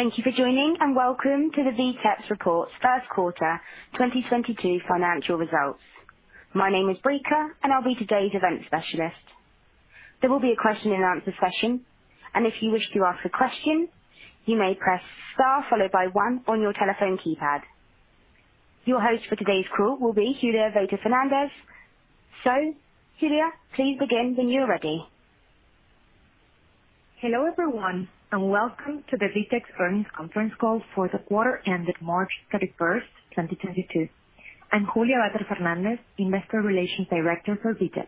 Thank you for joining, and welcome to the VTEX Report's first quarter 2022 financial results. My name is Brika, and I'll be today's event specialist. There will be a question and answer session, and if you wish to ask a question, you may press star followed by one on your telephone keypad. Your host for today's call will be Julia Vater Fernández. Julia, please begin when you're ready. Hello, everyone, and welcome to the VTEX Earnings conference call for the quarter ended March 31st, 2022. I'm Julia Vater Fernández, Investor Relations Director for VTEX.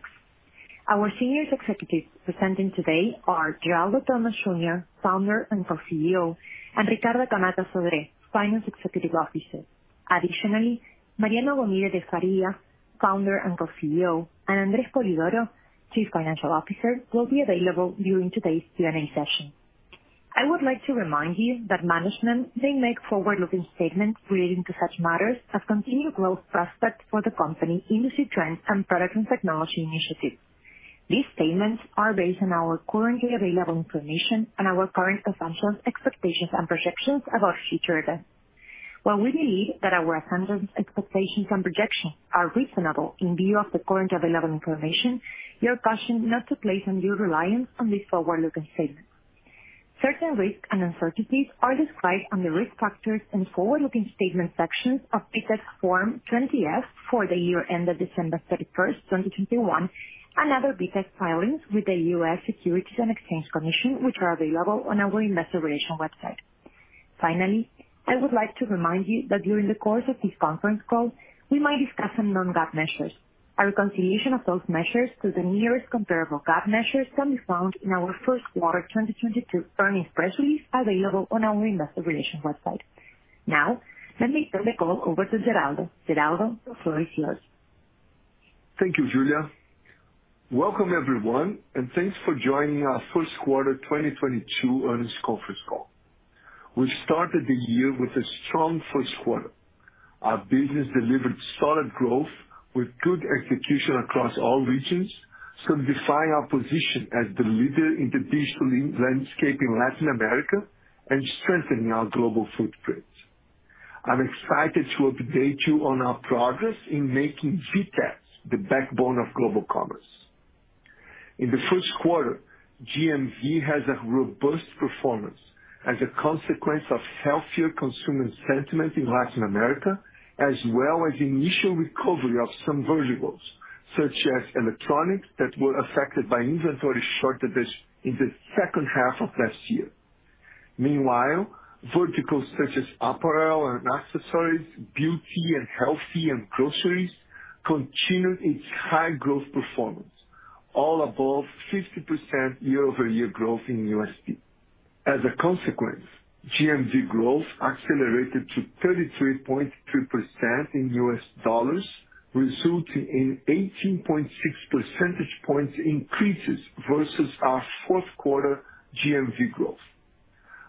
Our senior executives presenting today are Geraldo Thomaz Júnior, Founder and Co-CEO, and Ricardo Camatta Sodré, Finance Executive Officer. Additionally, Mariano Gomide de Faria, Founder and Co-CEO, and André Spolidoro, Chief Financial Officer, will be available during today's Q&A session. I would like to remind you that management may make forward-looking statements relating to such matters as continued growth prospects for the company, industry trends, and product and technology initiatives. These statements are based on our currently available information and our current assumptions, expectations, and projections about future events. While we believe that our assumptions, expectations, and projections are reasonable in view of the current available information, we caution not to place undue reliance on these forward-looking statements. Certain risks and uncertainties are described on the Risk Factors and Forward-Looking Statements sections of VTEX Form 20-F for the year ended December 31st, 2021 and other VTEX filings with the U.S. Securities and Exchange Commission, which are available on our Investor Relations website. Finally, I would like to remind you that during the course of this conference call, we might discuss some non-GAAP measures. Our reconciliation of those measures to the nearest comparable GAAP measures can be found in our first quarter 2022 earnings press release available on our Investor Relations website. Now, let me turn the call over to Geraldo. Geraldo, the floor is yours. Thank you, Julia. Welcome, everyone, and thanks for joining our first quarter 2022 earnings conference call. We started the year with a strong first quarter. Our business delivered solid growth with good execution across all regions, solidifying our position as the leader in the digital landscape in Latin America and strengthening our global footprint. I'm excited to update you on our progress in making VTEX the backbone of global commerce. In the first quarter, GMV has a robust performance as a consequence of healthier consumer sentiment in Latin America, as well as initial recovery of some verticals, such as electronics that were affected by inventory shortages in the second half of last year. Meanwhile, verticals such as apparel and accessories, beauty and health and groceries continued its high growth performance, all above 50% year-over-year growth in USD. As a consequence, GMV growth accelerated to 33.3% in U.S. dollars, resulting in 18.6 percentage points increases versus our fourth quarter GMV growth.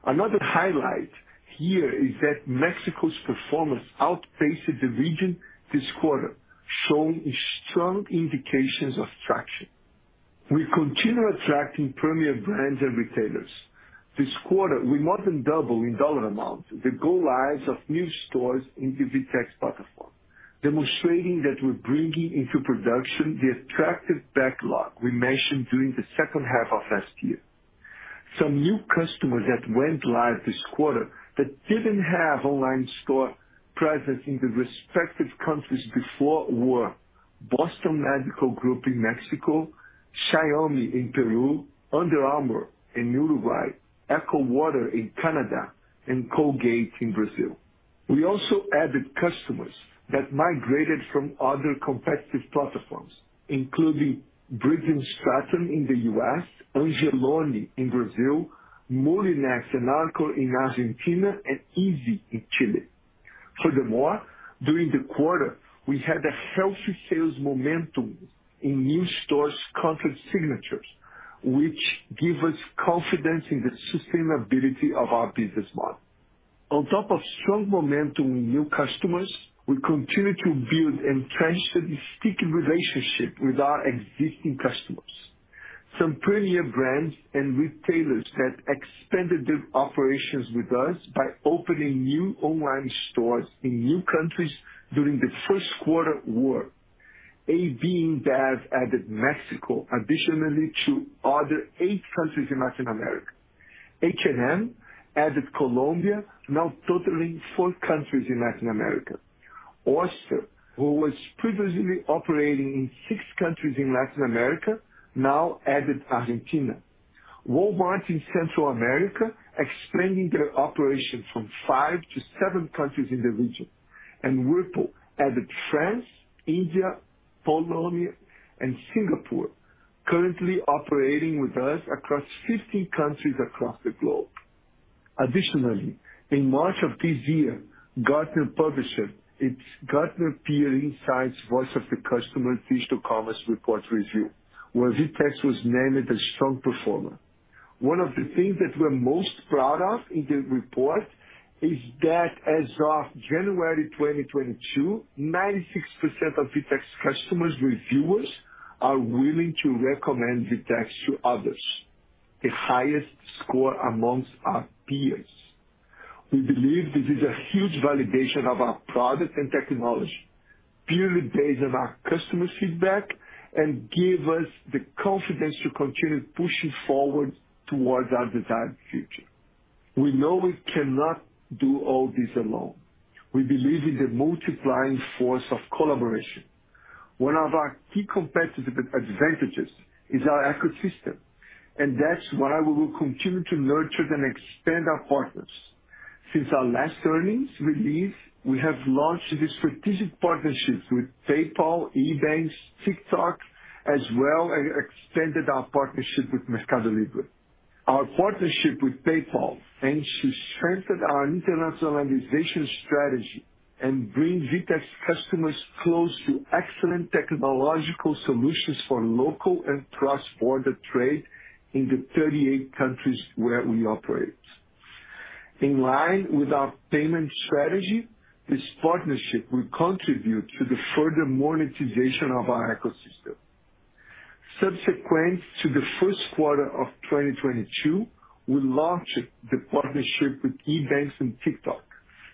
Another highlight here is that Mexico's performance outpaced the region this quarter, showing strong indications of traction. We continue attracting premier brands and retailers. This quarter, we more than double in dollar amount the go lives of new stores in the VTEX platform, demonstrating that we're bringing into production the attractive backlog we mentioned during the second half of last year. Some new customers that went live this quarter that didn't have online store presence in the respective countries before were Boston Medical Group in Mexico, Xiaomi in Peru, Under Armour in Uruguay, EcoWater in Canada, and Colgate in Brazil. We also added customers that migrated from other competitive platforms, including Briggs & Stratton in the U.S., Angeloni in Brazil, Moulinex and Arcor in Argentina, and Easy in Chile. Furthermore, during the quarter, we had a healthy sales momentum in new stores contract signatures, which give us confidence in the sustainability of our business model. On top of strong momentum in new customers, we continue to build and strengthen existing relationship with our existing customers. Some premier brands and retailers that expanded their operations with us by opening new online stores in new countries during the first quarter were. AB InBev added Mexico additionally to other eight countries in Latin America. H&M added Colombia, now totaling four countries in Latin America. Oster, who was previously operating in six countries in Latin America, now added Argentina. Walmart in Central America, expanding their operation from five to seven countries in the region. Whirlpool added France, India, Poland, and Singapore, currently operating with us across 50 countries across the globe. Additionally, in March of this year, Gartner published its Gartner Peer Insights voice of the customer digital commerce report review, where VTEX was named a strong performer. One of the things that we're most proud of in the report is that as of January 2022, 96% of VTEX customers reviewers are willing to recommend VTEX to others, the highest score amongst our peers. We believe this is a huge validation of our product and technology, purely based on our customer feedback and give us the confidence to continue pushing forward towards our desired future. We know we cannot do all this alone. We believe in the multiplying force of collaboration. One of our key competitive advantages is our ecosystem, and that's why we will continue to nurture and expand our partners. Since our last earnings release, we have launched the strategic partnerships with PayPal, EBANX, TikTok, as well as extended our partnership with Mercado Libre. Our partnership with PayPal aims to strengthen our internationalization strategy and bring VTEX customers close to excellent technological solutions for local and cross-border trade in the 38 countries where we operate. In line with our payment strategy, this partnership will contribute to the further monetization of our ecosystem. Subsequent to the first quarter of 2022, we launched the partnership with EBANX and TikTok.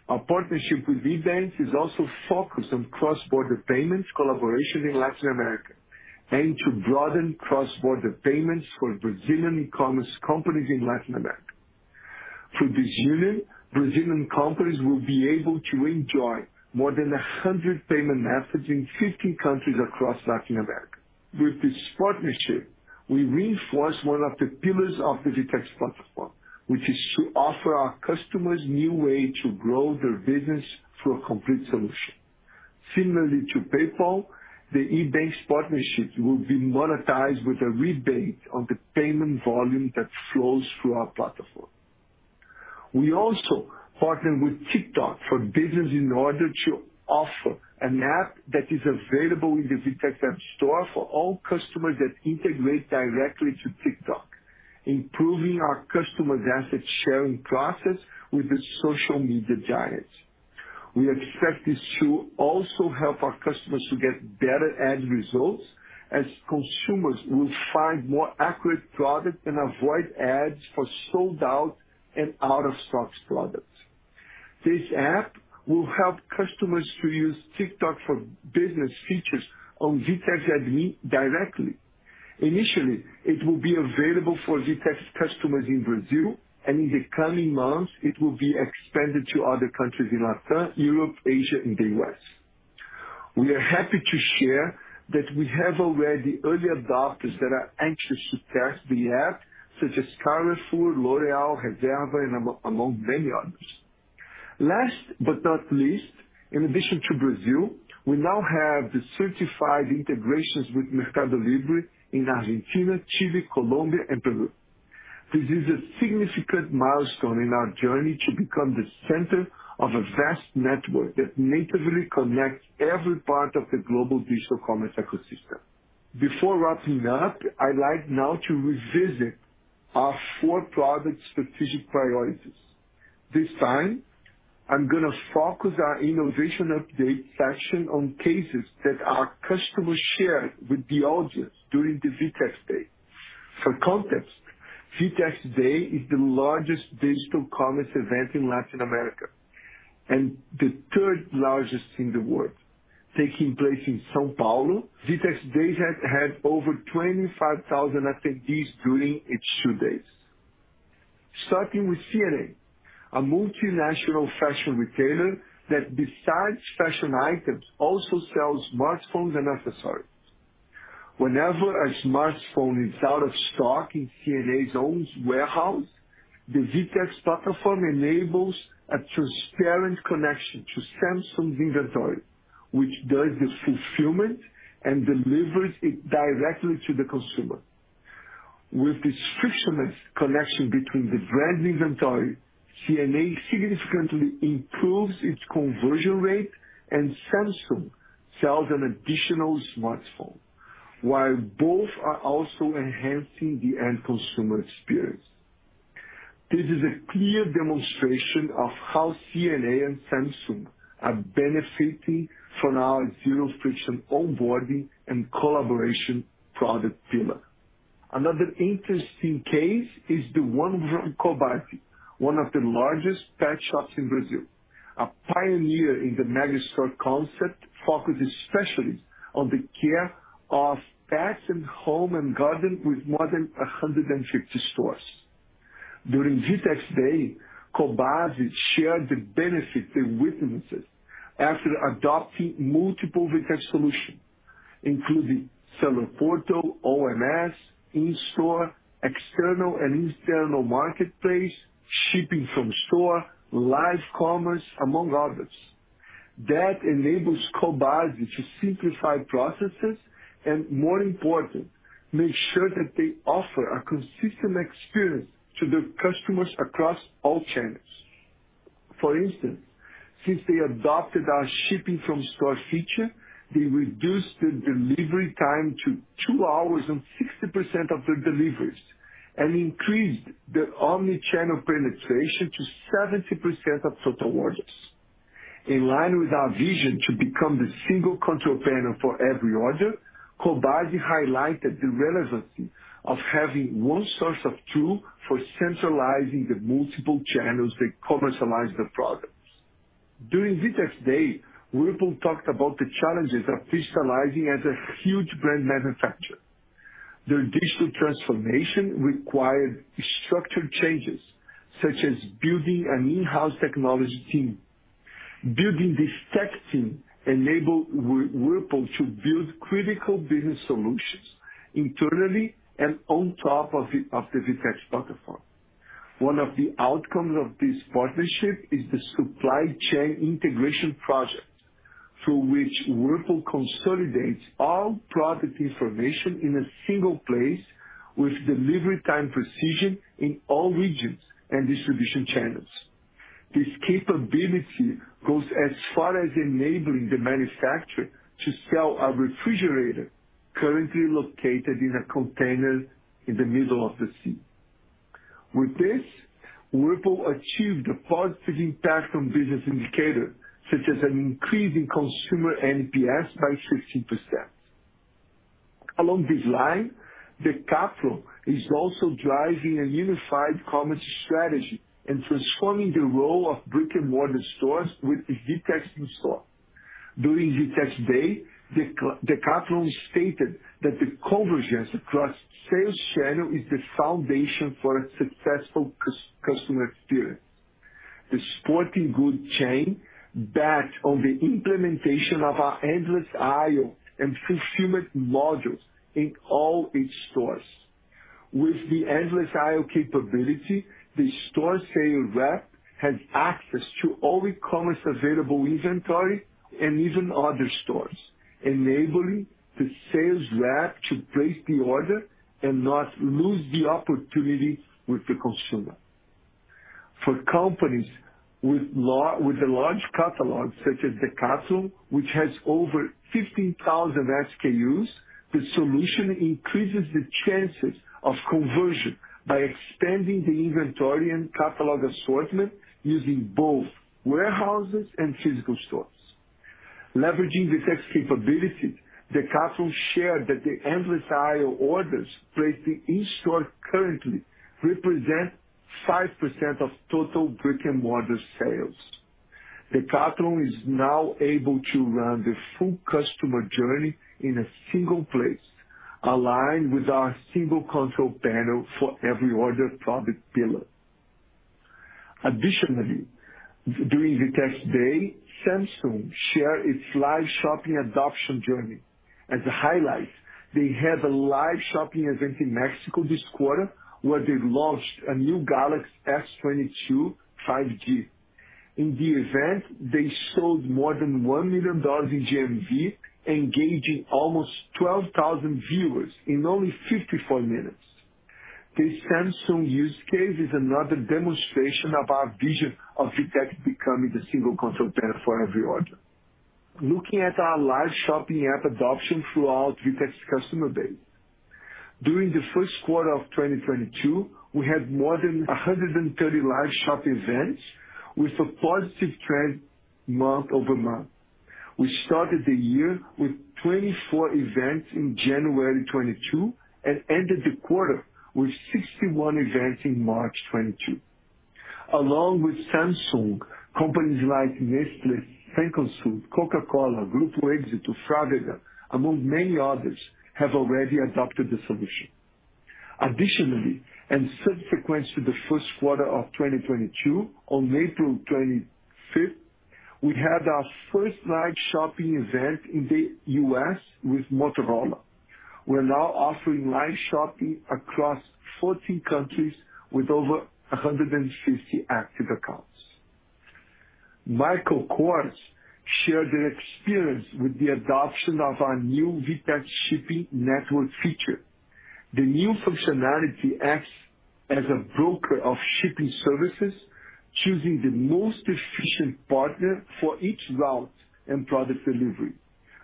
Our partnership with EBANX is also focused on cross-border payments collaboration in Latin America, aimed to broaden cross-border payments for Brazilian commerce companies in Latin America. Through this union, Brazilian companies will be able to enjoy more than 100 payment methods in 50 countries across Latin America. With this partnership, we reinforce one of the pillars of the VTEX platform, which is to offer our customers new way to grow their business through a complete solution. Similarly to PayPal, the EBANX partnership will be monetized with a rebate on the payment volume that flows through our platform. We also partnered with TikTok for Business in order to offer an app that is available in the VTEX App Store for all customers that integrate directly to TikTok, improving our customers' asset sharing process with the social media giants. We expect this to also help our customers to get better ad results as consumers will find more accurate products and avoid ads for sold out and out-of-stocks products. This app will help customers to use TikTok for Business features on VTEX Admin directly. Initially, it will be available for VTEX customers in Brazil, and in the coming months it will be expanded to other countries in LATAM, Europe, Asia, and the U.S. We are happy to share that we have already early adopters that are anxious to test the app such as Carrefour, L'Oréal, Reserva, and among many others. Last but not least, in addition to Brazil, we now have the certified integrations with Mercado Libre in Argentina, Chile, Colombia, and Peru. This is a significant milestone in our journey to become the center of a vast network that natively connects every part of the global digital commerce ecosystem. Before wrapping up, I'd like now to revisit our four product strategic priorities. This time, I'm gonna focus our innovation update section on cases that our customers shared with the audience during the VTEX Day. For context, VTEX Day is the largest digital commerce event in Latin America and the third largest in the world. Taking place in São Paulo, VTEX Day has had over 25,000 attendees during its 2 days. Starting with C&A, a multinational fashion retailer that besides fashion items also sells smartphones and accessories. Whenever a smartphone is out of stock in C&A's own warehouse, the VTEX platform enables a transparent connection to Samsung's inventory, which does the fulfillment and delivers it directly to the consumer. With this frictionless connection between the brand inventory, C&A significantly improves its conversion rate and Samsung sells an additional smartphone while both are also enhancing the end consumer experience. This is a clear demonstration of how C&A and Samsung are benefiting from our zero-friction onboarding and collaboration product pillar. Another interesting case is the one from Cobasi, one of the largest pet shops in Brazil. A pioneer in the megastore concept focuses especially on the care of pets and home and garden with more than 150 stores. During VTEX DAY, Cobasi shared the benefit they witnessed after adopting multiple VTEX solutions, including Seller Portal, OMS, inStore, external and internal Marketplace, Ship From Store, live commerce, among others. That enables Cobasi to simplify processes and more important, make sure that they offer a consistent experience to their customers across all channels. For instance, since they adopted our Ship From Store feature, they reduced the delivery time to 2 hours on 60% of their deliveries and increased their omnichannel penetration to 70% of total orders. In line with our vision to become the single control panel for every order, Cobasi highlighted the relevancy of having one source of truth for centralizing the multiple channels that commercialize the products. During VTEX DAY, Whirlpool talked about the challenges of digitalizing as a huge brand manufacturer. Their digital transformation required structural changes, such as building an in-house technology team. Building this tech team enabled Whirlpool to build critical business solutions internally and on top of the VTEX platform. One of the outcomes of this partnership is the supply chain integration project, through which Whirlpool consolidates all product information in a single place with delivery time precision in all regions and distribution channels. This capability goes as far as enabling the manufacturer to sell a refrigerator currently located in a container in the middle of the sea. With this, Whirlpool achieved a positive impact on business indicators such as an increase in consumer NPS by 60%. Along this line, Decathlon is also driving a unified commerce strategy and transforming the role of brick-and-mortar stores with VTEX inStore. During VTEX DAY, Decathlon stated that the convergence across sales channel is the foundation for a successful customer experience. The sporting goods chain based on the implementation of our Endless Aisle and fulfillment modules in all its stores. With the Endless Aisle capability the store sales rep has access to all e-commerce available inventory and even other stores, enabling the sales rep to place the order and not lose the opportunity with the consumer. For companies with a large catalog, such as Decathlon, which has over 15,000 SKUs, the solution increases the chances of conversion by expanding the inventory and catalog assortment using both warehouses and physical stores. Leveraging VTEX capabilities, Decathlon shared that the Endless Aisle orders placed in each store currently represent 5% of total brick-and-mortar sales. Decathlon is now able to run the full customer journey in a single place, aligned with our single control panel for every order product pillar. Additionally, during VTEX Day, Samsung shared its live shopping adoption journey. As a highlight, they had a live shopping event in Mexico this quarter, where they launched a new Galaxy S22 5G. In the event, they sold more than $1 million in GMV, engaging almost 12,000 viewers in only 54 minutes. This Samsung use case is another demonstration of our vision of VTEX becoming the single control panel for every order. Looking at our live shopping app adoption throughout VTEX customer base. During the first quarter of 2022, we had more than 130 live shopping events with a positive trend month-over-month. We started the year with 24 events in January 2022 and ended the quarter with 61 events in March 2022. Along with Samsung, companies like Nestlé, Cencosud, Coca-Cola, Grupo Éxito, Frávega, among many others, have already adopted the solution. Additionally, and subsequent to the first quarter of 2022, on April 25, we had our first live shopping event in the U.S. with Motorola. We're now offering live shopping across 14 countries with over 150 active accounts. Michael Kors shared their experience with the adoption of our new VTEX Shipping Network feature. The new functionality acts as a broker of shipping services, choosing the most efficient partner for each route and product delivery.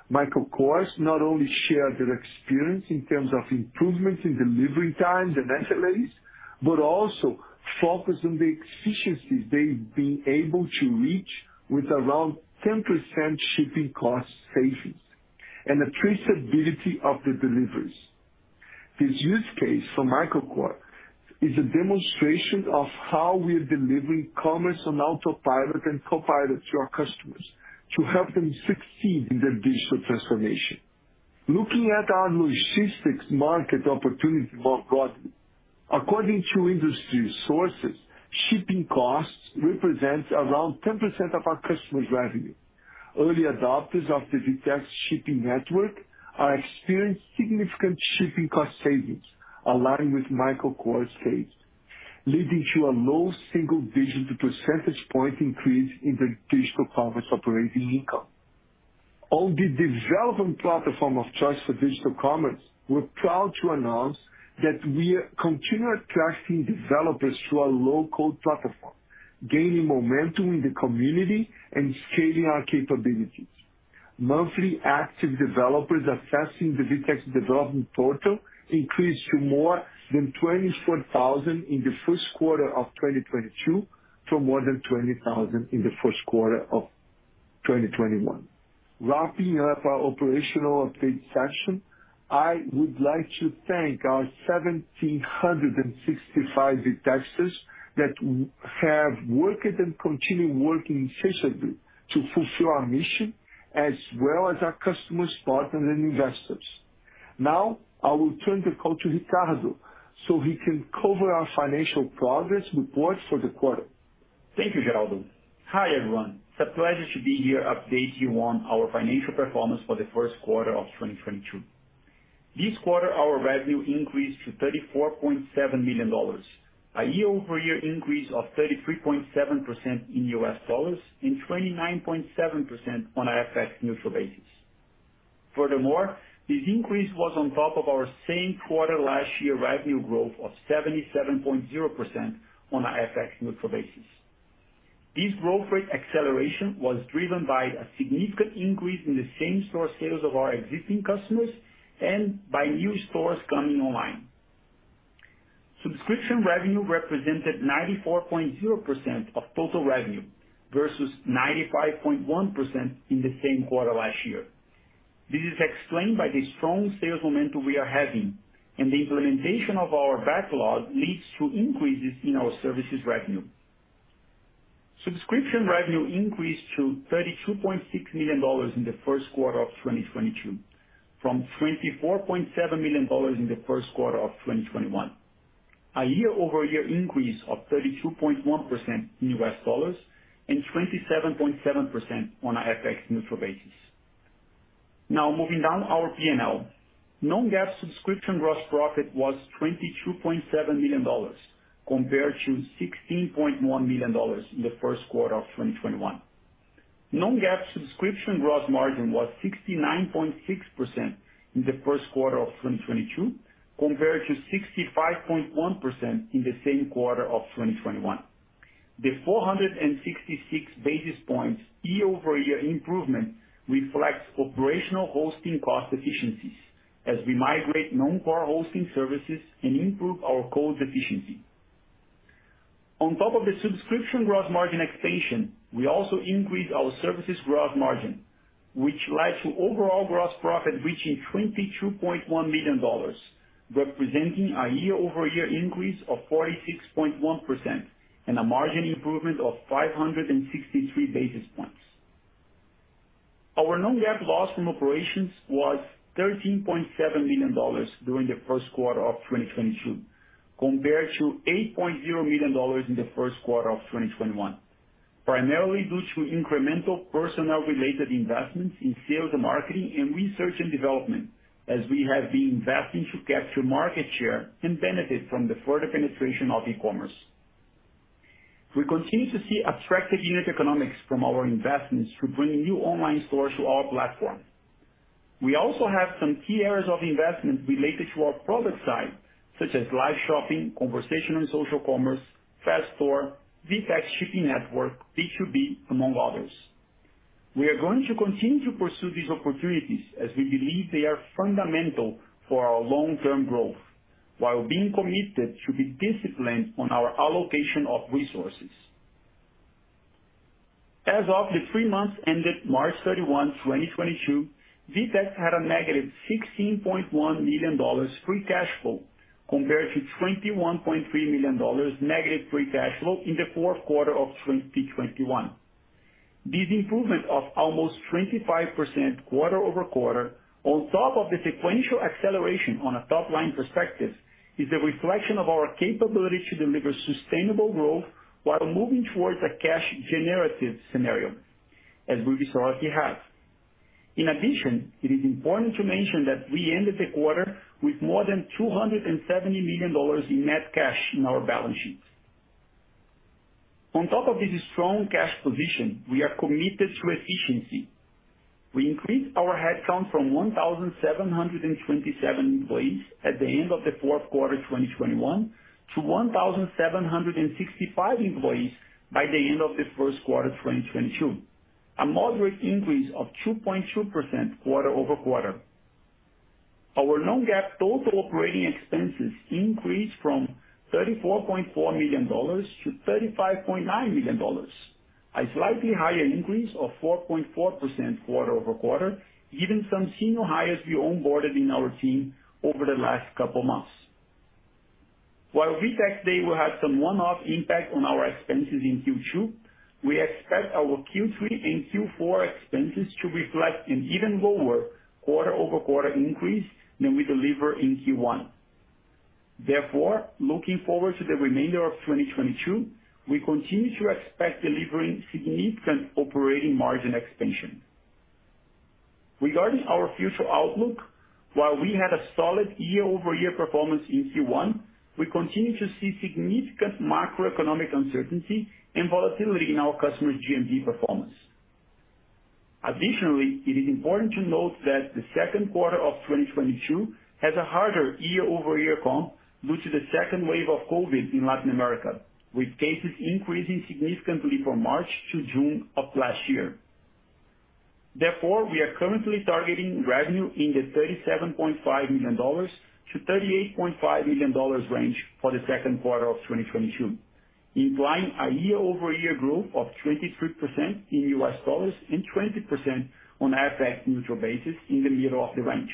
Michael Kors not only shared their experience in terms of improvements in delivery times and accolades, but also focused on the efficiencies they've been able to reach with around 10% shipping cost savings and the traceability of the deliveries. This use case for Michael Kors is a demonstration of how we are delivering commerce on autopilot and copilot to our customers to help them succeed in their digital transformation. Looking at our logistics market opportunity more broadly. According to industry sources, shipping costs represents around 10% of our customers' revenue. Early adopters of the VTEX Shipping Network have experienced significant shipping cost savings aligned with Michael Kors case, leading to a low single-digit percentage point increase in their digital commerce operating income. On the development platform of choice for digital commerce, we're proud to announce that we are continually attracting developers to our low-code platform, gaining momentum in the community and scaling our capabilities. Monthly active developers accessing the VTEX Developer Portal increased to more than 24,000 in the first quarter of 2022 from more than 20,000 in the first quarter of 2021. Wrapping up our operational update session, I would like to thank our 1,765 VTEXers that have worked and continue working incessantly to fulfill our mission as well as our customers, partners and investors. Now, I will turn the call to Ricardo so he can cover our financial progress reports for the quarter. Thank you, Geraldo. Hi, everyone. It's a pleasure to be here updating you on our financial performance for the first quarter of 2022. This quarter, our revenue increased to $34.7 million, a year-over-year increase of 33.7% in U.S. dollars and 29.7% on a FX-neutral basis. Furthermore, this increase was on top of our same quarter last year revenue growth of 77.0% on a FX-neutral basis. This growth rate acceleration was driven by a significant increase in the same store sales of our existing customers and by new stores coming online. Subscription revenue represented 94.0% of total revenue versus 95.1% in the same quarter last year. This is explained by the strong sales momentum we are having, and the implementation of our backlog leads to increases in our services revenue. Subscription revenue increased to $32.6 million in the first quarter of 2022 from $24.7 million in the first quarter of 2021, a year-over-year increase of 32.1% in U.S. dollars and 27.7% on a FX-neutral basis. Now, moving down our P&L. Non-GAAP subscription gross profit was $22.7 million compared to $16.1 million in the first quarter of 2021. Non-GAAP subscription gross margin was 69.6% in the first quarter of 2022 compared to 65.1% in the same quarter of 2021. The 466 basis points year-over-year improvement reflects operational hosting cost efficiencies as we migrate non-core hosting services and improve our code efficiency. On top of the subscription gross margin expansion, we also increased our services gross margin, which led to overall gross profit reaching $22.1 million, representing a year-over-year increase of 46.1% and a margin improvement of 563 basis points. Our non-GAAP loss from operations was $13.7 million during the first quarter of 2022 compared to $8.0 million in the first quarter of 2021, primarily due to incremental personnel-related investments in sales and marketing and research and development, as we have been investing to capture market share and benefit from the further penetration of e-commerce. We continue to see attractive unit economics from our investments to bring new online stores to our platform. We also have some key areas of investment related to our product side, such as live shopping, conversational and social commerce, FastStore, VTEX Shipping Network, B2B, among others. We are going to continue to pursue these opportunities as we believe they are fundamental for our long-term growth while being committed to be disciplined on our allocation of resources. As of the three months ended March 31, 2022, VTEX had -$16.1 million free cash flow compared to -$21.3 million free cash flow in the fourth quarter of 2021. This improvement of almost 25% quarter-over-quarter, on top of the sequential acceleration on a top-line perspective, is a reflection of our capability to deliver sustainable growth while moving towards a cash generative scenario as we historically have. It is important to mention that we ended the quarter with more than $270 million in net cash in our balance sheets. On top of this strong cash position, we are committed to efficiency. We increased our headcount from 1,727 employees at the end of the fourth quarter 2021 to 1,765 employees by the end of the first quarter 2022, a moderate increase of 2.2% quarter-over-quarter. Our non-GAAP total operating expenses increased from $34.4 million to $35.9 million, a slightly higher increase of 4.4% quarter-over-quarter, given some senior hires we onboarded in our team over the last couple months. While VTEX Day will have some one-off impact on our expenses in Q2, we expect our Q3 and Q4 expenses to reflect an even lower quarter-over-quarter increase than we deliver in Q1. Therefore, looking forward to the remainder of 2022, we continue to expect delivering significant operating margin expansion. Regarding our future outlook. While we had a solid year-over-year performance in Q1, we continue to see significant macroeconomic uncertainty and volatility in our customers' GMV performance. Additionally, it is important to note that the second quarter of 2022 has a harder year-over-year comp due to the second wave of COVID in Latin America, with cases increasing significantly from March to June of last year. Therefore, we are currently targeting revenue in the $37.5 million-$38.5 million range for the second quarter of 2022, implying a year-over-year growth of 23% in U.S. dollars and 20% on FX-neutral basis in the middle of the range.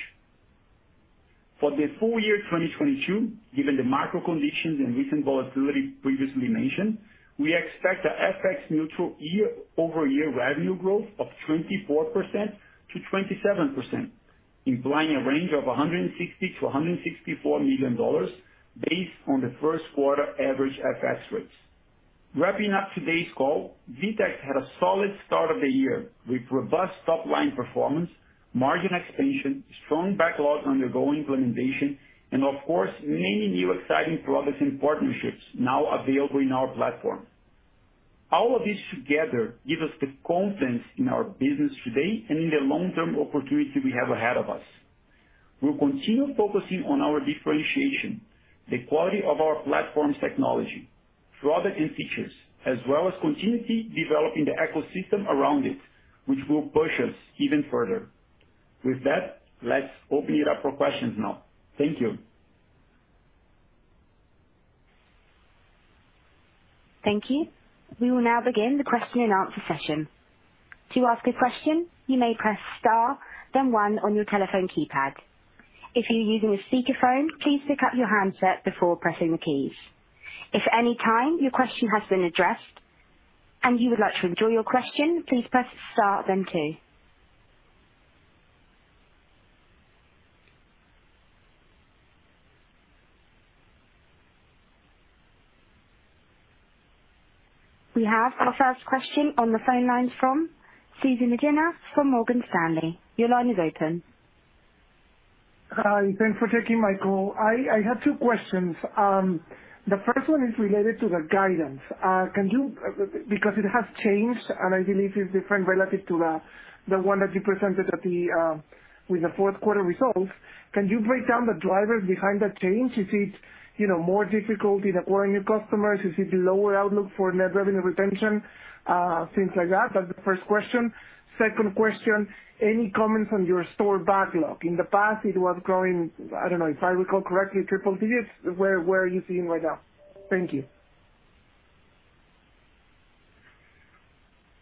For the full year 2022, given the macro conditions and recent volatility previously mentioned, we expect a FX-neutral year-over-year revenue growth of 24%-27%, implying a range of $160 million-$164 million based on the first quarter average FX rates. Wrapping up today's call, VTEX had a solid start of the year with robust top line performance, margin expansion, strong backlog undergoing implementation, and of course, many new exciting products and partnerships now available in our platform. All of this together give us the confidence in our business today and in the long-term opportunity we have ahead of us. We'll continue focusing on our differentiation, the quality of our platform's technology, product, and features, as well as continuously developing the ecosystem around it, which will push us even further. With that, let's open it up for questions now. Thank you. Thank you. We will now begin the question and answer session. To ask a question, you may press star then one on your telephone keypad. If you're using a speakerphone, please pick up your handset before pressing the keys. If at any time your question has been addressed and you would like to withdraw your question, please press star then two. We have our first question on the phone lines from Cesar Medina from Morgan Stanley. Your line is open. Hi. Thanks for taking my call. I had two questions. The first one is related to the guidance. Because it has changed, and I believe it's different relative to the one that you presented in the fourth quarter results, can you break down the drivers behind that change? Is it, you know, more difficult in acquiring new customers? Is it lower outlook for net revenue retention, things like that? That's the first question. Second question, any comment on your store backlog. In the past, it was growing, I don't know, if I recall correctly, triple digits. Where are you seeing right now? Thank you.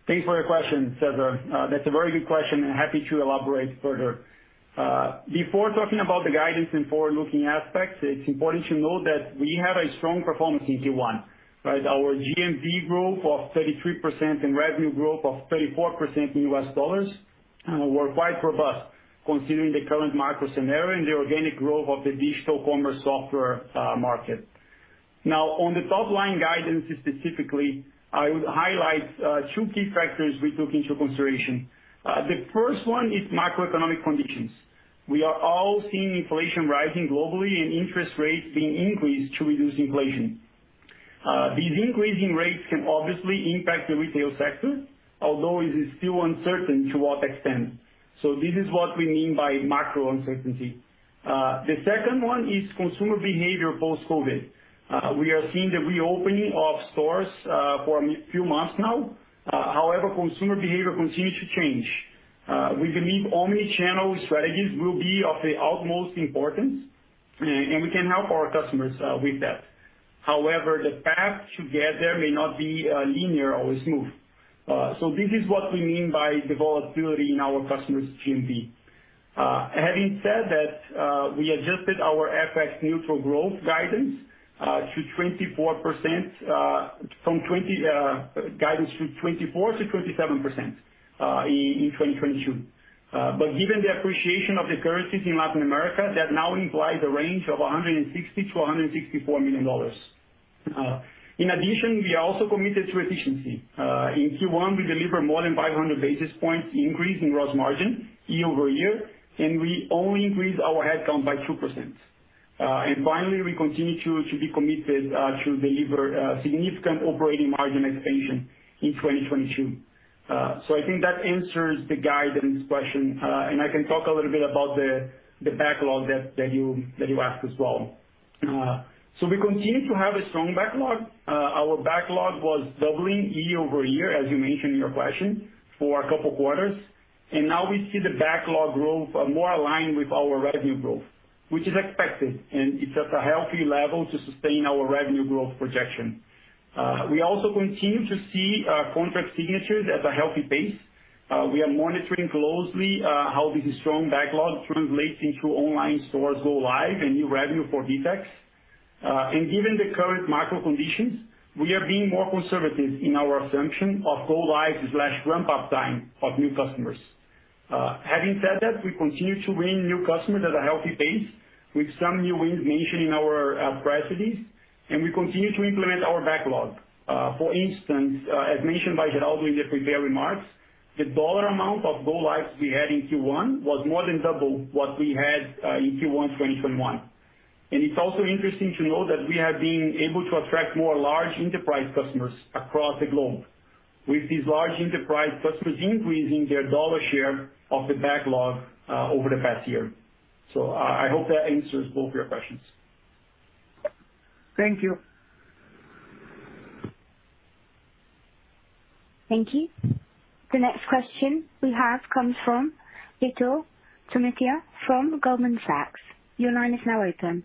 Thanks for your question, Cesar. That's a very good question and happy to elaborate further. Before talking about the guidance and forward-looking aspects, it's important to note that we have a strong performance in Q1, right? Our GMV growth of 33% and revenue growth of 34% in U.S. Dollars were quite robust considering the current market scenario and the organic growth of the digital commerce software market. Now, on the top line guidance specifically, I would highlight two key factors we took into consideration. The first one is macroeconomic conditions. We are all seeing inflation rising globally and interest rates being increased to reduce inflation. These increasing rates can obviously impact the retail sector, although it is still uncertain to what extent. This is what we mean by macro uncertainty. The second one is consumer behavior post-COVID. We are seeing the reopening of stores for a few months now. However, consumer behavior continues to change. We believe omnichannel strategies will be of the utmost importance and we can help our customers with that. However, the path to get there may not be linear or smooth. This is what we mean by the volatility in our customers' GMV. Having said that, we adjusted our FX-neutral growth guidance to 24%-27% from 20% in 2022. But given the appreciation of the currencies in Latin America, that now implies a range of $160 million-$164 million. In addition, we are also committed to efficiency. In Q1, we delivered more than 500 basis points increase in gross margin year-over-year, and we only increased our headcount by 2%. Finally, we continue to be committed to deliver significant operating margin expansion in 2022. I think that answers the guidance question. I can talk a little bit about the backlog that you asked as well. We continue to have a strong backlog. Our backlog was doubling year-over-year, as you mentioned in your question, for a couple quarters. Now we see the backlog growth more aligned with our revenue growth, which is expected, and it's at a healthy level to sustain our revenue growth projection. We also continue to see contract signatures at a healthy pace. We are monitoring closely how this strong backlog translates into online stores go live and new revenue for VTEX. Given the current market conditions, we are being more conservative in our assumption of go live/ramp-up time of new customers. Having said that, we continue to win new customers at a healthy pace. With some new innovation in our priorities, and we continue to implement our backlog. For instance, as mentioned by Geraldo in the prepared remarks, the dollar amount of go-lives we had in Q1 was more than double what we had in Q1 2021. It's also interesting to note that we have been able to attract more large enterprise customers across the globe. With these large enterprise customers increasing their dollar share of the backlog over the past year. I hope that answers both your questions. Thank you. Thank you. The next question we have comes from Vitor Tomita from Goldman Sachs. Your line is now open.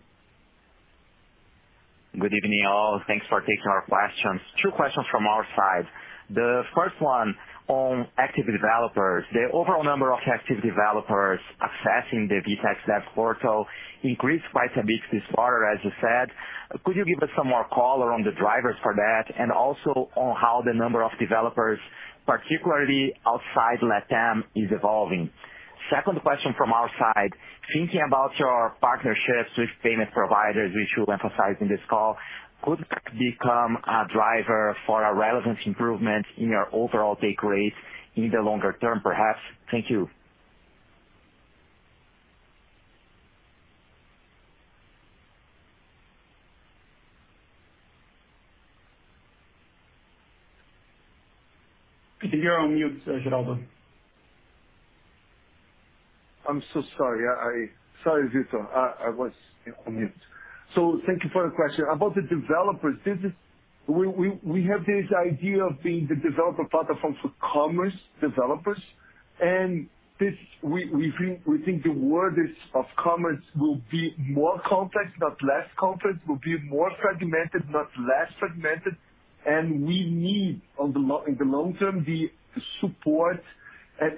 Good evening, all. Thanks for taking our questions. Two questions from our side. The first one on active developers. The overall number of active developers accessing the VTEX Developer Portal increased quite a bit this quarter, as you said. Could you give us some more color on the drivers for that and also on how the number of developers, particularly outside LATAM, is evolving? Second question from our side. Thinking about your partnerships with payment providers, which you emphasized in this call, could become a driver for a relevance improvement in your overall take rate in the longer term, perhaps? Thank you. You're on mute, Geraldo. I'm so sorry. Sorry Vitor. I was on mute. Thank you for your question. About the developers, we have this idea of being the developer platform for commerce developers. We think the world of commerce will be more complex, not less complex, will be more fragmented, not less fragmented. We need in the long term the support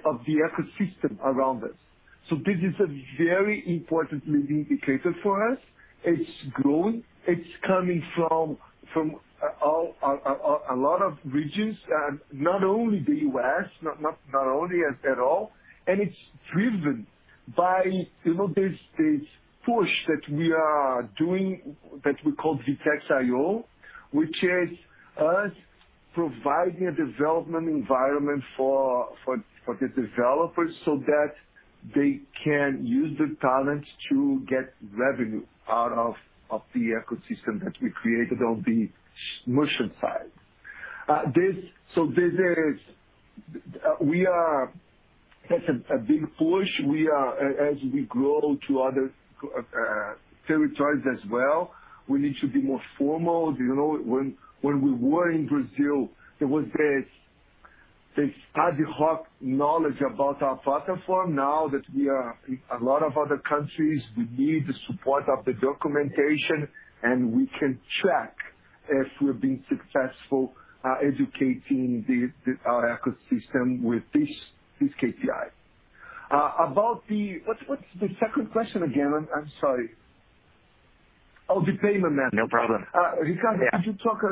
of the ecosystem around us. This is a very important leading indicator for us. It's growing. It's coming from a lot of regions, not only the U.S., not only at all. It's driven by, you know, this push that we are doing that we call VTEX IO, which is us providing a development environment for the developers so that they can use their talents to get revenue out of the ecosystem that we created on the merchant side. This is a big push. As we grow to other territories as well, we need to be more formal. You know, when we were in Brazil, it was this ad hoc knowledge about our platform. Now that we are in a lot of other countries, we need the support of the documentation, and we can track if we're being successful educating our ecosystem with this KPI. About the, what's the second question again? I'm sorry. Oh, the payment method. No problem. Ricardo, could you talk a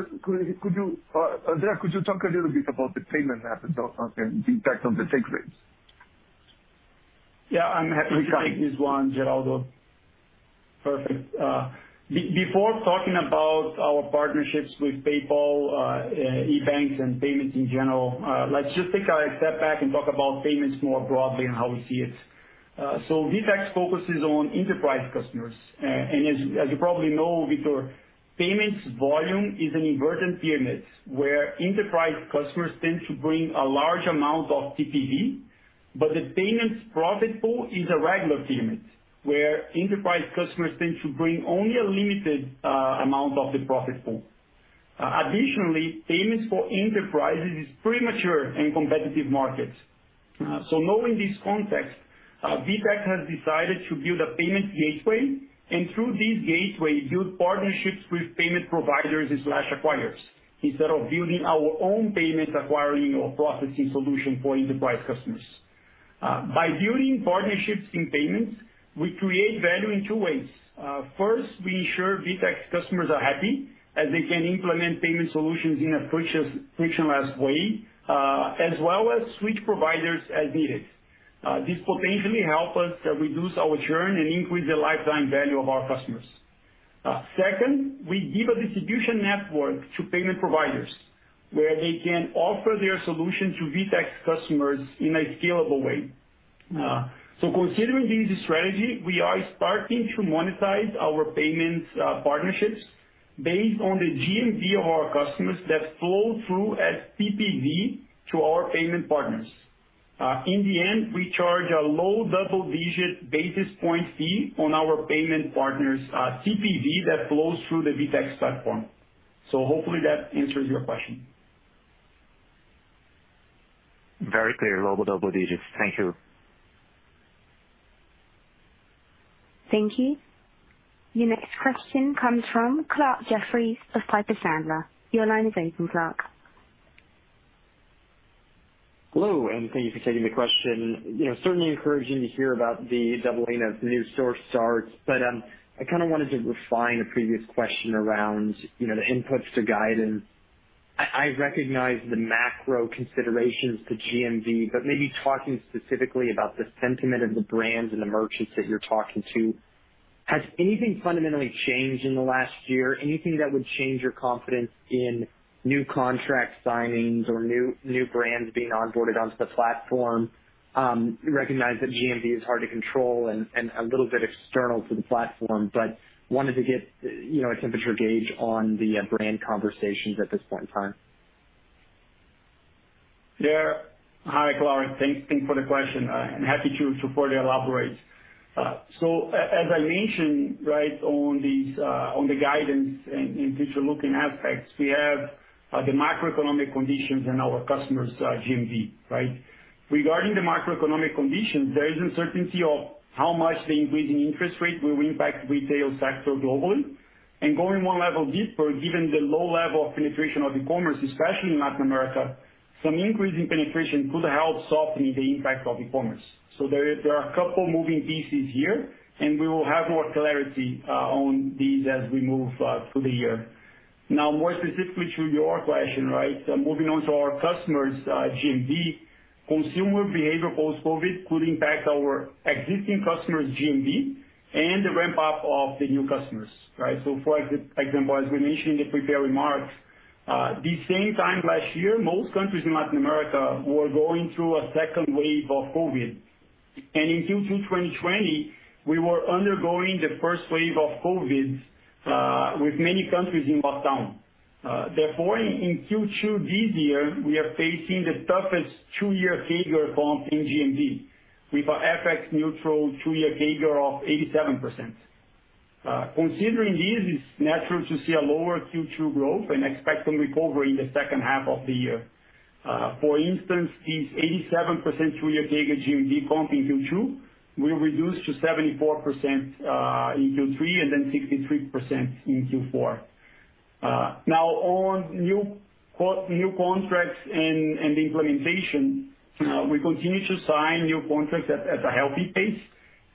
little bit about the payment methods of VTEX on the take rates? Yeah, I'm happy to take this one, Geraldo. Perfect. Before talking about our partnerships with PayPal, EBANX and payments in general, let's just take a step back and talk about payments more broadly and how we see it. VTEX focuses on enterprise customers. As you probably know, Vitor, payments volume is an inverted pyramid, where enterprise customers tend to bring a large amount of TPV, but the payments profit pool is a regular pyramid, where enterprise customers tend to bring only a limited amount of the profit pool. Additionally, payments for enterprises is more mature in competitive markets. Knowing this context, VTEX has decided to build a payment gateway, and through this gateway, build partnerships with payment providers and slash acquirers, instead of building our own payment acquiring or processing solution for enterprise customers. By building partnerships in payments, we create value in two ways. First, we ensure VTEX customers are happy as they can implement payment solutions in a frictionless way, as well as switch providers as needed. This potentially help us reduce our churn and increase the lifetime value of our customers. Second, we give a distribution network to payment providers where they can offer their solution to VTEX customers in a scalable way. Considering this strategy, we are starting to monetize our payments partnerships based on the GMV of our customers that flow through as TPV to our payment partners. In the end, we charge a low double-digit basis point fee on our payment partners TPV that flows through the VTEX platform. Hopefully that answers your question. Very clear. Low double digits. Thank you. Thank you. Your next question comes from Clarke Jeffries of Piper Sandler. Your line is open, Clarke. Hello, thank you for taking the question. You know, certainly encouraging to hear about the doubling of new store starts. I kind of wanted to refine a previous question around, you know, the inputs to guidance. I recognize the macro considerations to GMV, but maybe talking specifically about the sentiment of the brands and the merchants that you're talking to, has anything fundamentally changed in the last year? Anything that would change your confidence in new contract signings or new brands being onboarded onto the platform? Recognize that GMV is hard to control and a little bit external to the platform, but wanted to get, you know, a temperature gauge on the brand conversations at this point in time. Yeah. Hi, Lauren. Thanks. Thanks for the question. I'm happy to further elaborate. As I mentioned, right, on these, on the guidance in future-looking aspects, we have the macroeconomic conditions and our customers' GMV, right? Regarding the macroeconomic conditions, there is uncertainty of how much the increasing interest rate will impact retail sector globally. Going one level deeper, given the low level of penetration of e-commerce, especially in Latin America, some increasing penetration could help softening the impact of e-commerce. There are a couple moving pieces here, and we will have more clarity on these as we move through the year. Now, more specifically to your question, right, moving on to our customers' GMV, consumer behavior post-COVID could impact our existing customers' GMV and the ramp up of the new customers, right? For example, as we mentioned in the prepared remarks, the same time last year, most countries in Latin America were going through a second wave of COVID. In Q2 2020, we were undergoing the first wave of COVID with many countries in lockdown. Therefore, in Q2 this year, we are facing the toughest two-year CAGR comp in GMV with a FX-neutral 2-year CAGR of 87%. Considering this, it's natural to see a lower Q2 growth and expect some recovery in the second half of the year. For instance, this 87% two-year CAGR GMV comp in Q2 will reduce to 74% in Q3 and then 63% in Q4. Now on new contracts and implementation, we continue to sign new contracts at a healthy pace.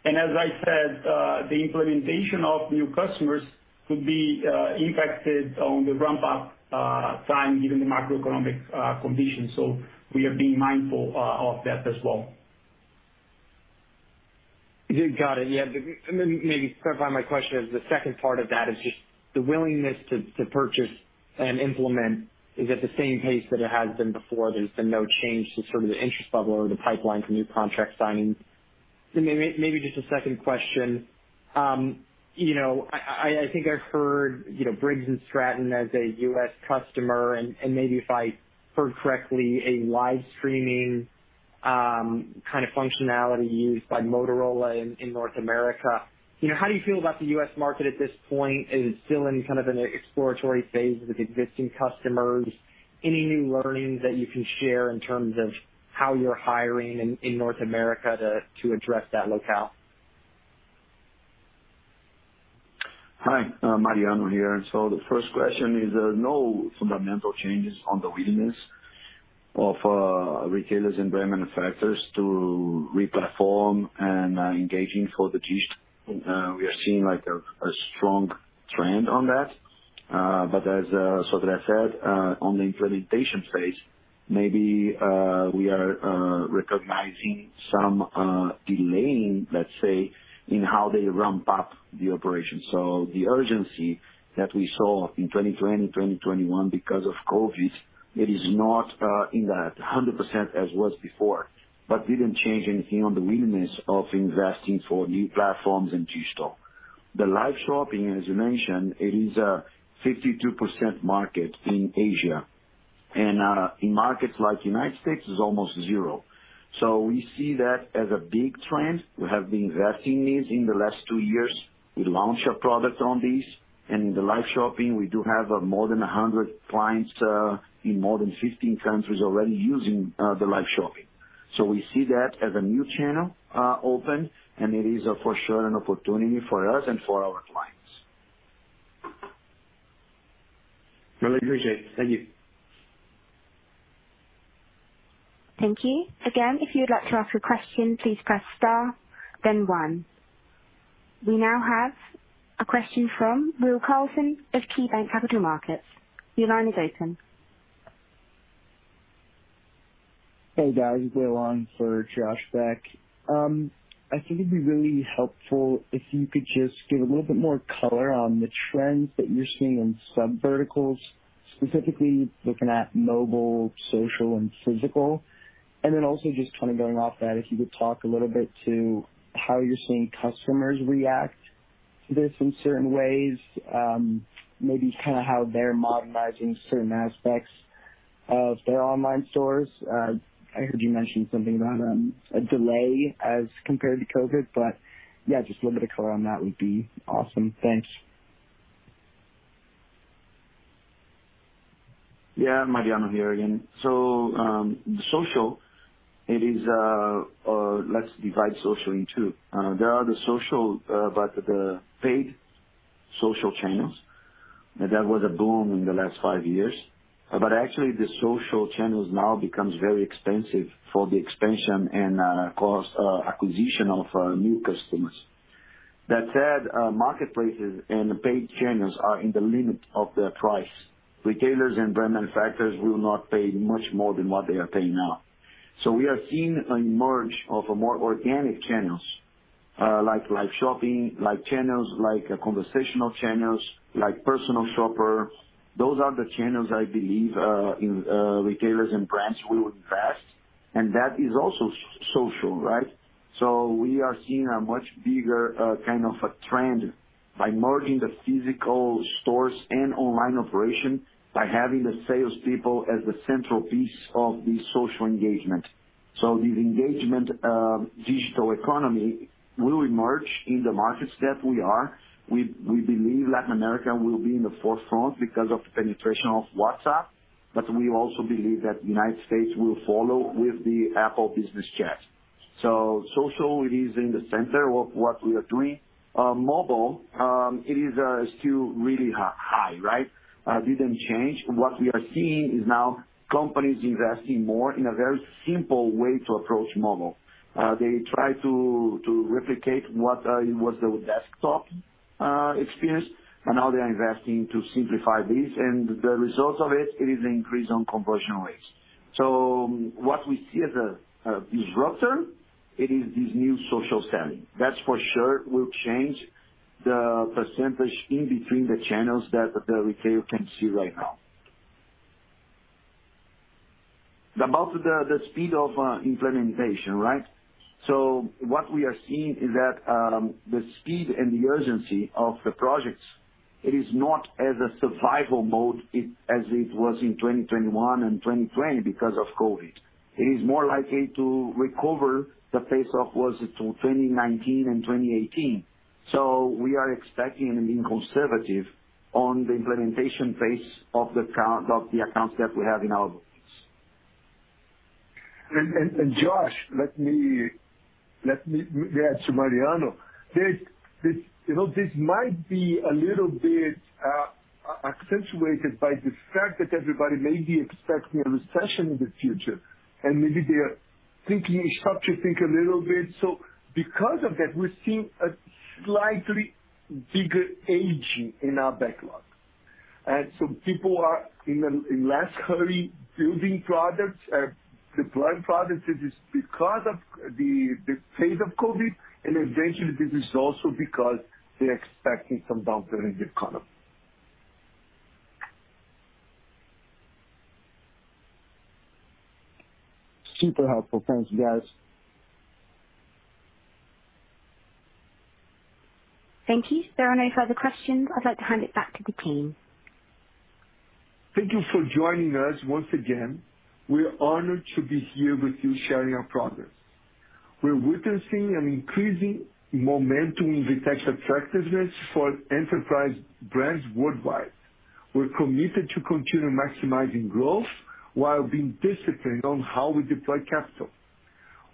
As I said, the implementation of new customers could be impacted on the ramp up time given the macroeconomic conditions. We are being mindful of that as well. Got it. Yeah. Maybe clarify my question as the second part of that is just the willingness to purchase and implement is at the same pace that it has been before. There's been no change to sort of the interest level or the pipeline for new contract signings. Maybe just a second question. You know, I think I've heard, you know, Briggs & Stratton as a U.S. customer and maybe if I heard correctly, a live streaming kind of functionality used by Motorola in North America. You know, how do you feel about the U.S. market at this point? Is it still in kind of an exploratory phase with existing customers? Any new learnings that you can share in terms of how you're hiring in North America to address that locale? Hi, Mariano here. The first question is no fundamental changes on the willingness of retailers and brand manufacturers to replatform and engaging for the digital. We are seeing like a strong trend on that. But as Sodré said, on the implementation phase, maybe we are recognizing some delaying, let's say, in how they ramp up the operation. The urgency that we saw in 2020, 2021 because of COVID, it is not in that hundred percent as was before. Didn't change anything on the willingness of investing for new platforms and digital. The live shopping, as you mentioned, it is a 52% market in Asia. In markets like United States is almost zero. We see that as a big trend. We have been investing this in the last 2 years. We launched a product on this. In the live shopping, we do have more than 100 clients in more than 15 countries already using the live shopping. We see that as a new channel open, and it is for sure an opportunity for us and for our clients. Really appreciate it. Thank you. Thank you. Again, if you'd like to ask a question, please press star then one. We now have a question from Will Carlson of KeyBanc Capital Markets. Your line is open. Hey, guys. Will on for Josh Beck. I think it'd be really helpful if you could just give a little bit more color on the trends that you're seeing in subverticals, specifically looking at mobile, social and physical. Also just kind of building off that, if you could talk a little bit to how you're seeing customers react to this in certain ways, maybe kind of how they're modernizing certain aspects of their online stores. I heard you mention something about, a delay as compared to COVID, but yeah, just a little bit of color on that would be awesome. Thanks. Yeah. Mariano here again. Social it is. Let's divide social in two. There are the social, but the paid social channels. That was a boom in the last 5 years. Actually the social channels now becomes very expensive for the expansion and, cost, acquisition of new customers. That said, marketplaces and paid channels are at the limit of their price. Retailers and brand manufacturers will not pay much more than what they are paying now. We are seeing an emergence of more organic channels, like live shopping, like channels, like conversational channels, like personal shopper. Those are the channels I believe retailers and brands will invest in, and that is also social, right? We are seeing a much bigger kind of a trend by merging the physical stores and online operation by having the sales people as the central piece of the social engagement. This engagement in the digital economy will emerge in the markets that we are. We believe Latin America will be in the forefront because of the penetration of WhatsApp, but we also believe that United States will follow with the Apple Business Chat. Social is in the center of what we are doing. Mobile, it is still really high, right? Didn't change. What we are seeing is now companies investing more in a very simple way to approach mobile. They try to replicate what was the desktop experience, and now they are investing to simplify this. The results of it is an increase on conversion rates. What we see as a disruptor is this new social selling. That, for sure, will change the percentage in between the channels that the retailer can see right now. About the speed of implementation, right? What we are seeing is that the speed and the urgency of the projects is not as a survival mode as it was in 2021 and 2020 because of COVID. It is more likely to recover the pace of what it was in 2019 and 2018. We are expecting and being conservative on the implementation pace of the accounts that we have in our books. Josh, let me add to Mariano. You know, this might be a little bit accentuated by the fact that everybody may be expecting a recession in the future, and maybe they are starting to think a little bit. Because of that, we're seeing a slightly bigger aging in our backlog. People are in less hurry building products, deploying products. It is because of the phase of COVID, and eventually this is also because they're expecting some downturn in the economy. Super helpful. Thanks, guys. Thank you. If there are no further questions, I'd like to hand it back to the team. Thank you for joining us once again. We're honored to be here with you sharing our progress. We're witnessing an increasing momentum in VTEX attractiveness for enterprise brands worldwide. We're committed to continue maximizing growth while being disciplined on how we deploy capital.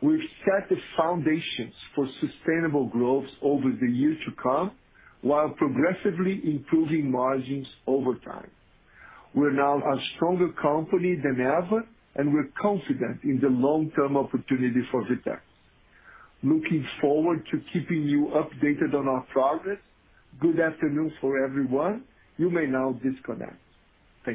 We've set the foundations for sustainable growth over the years to come, while progressively improving margins over time. We're now a stronger company than ever, and we're confident in the long-term opportunity for VTEX. Looking forward to keeping you updated on our progress. Good afternoon for everyone. You may now disconnect.